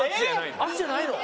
淳じゃないの？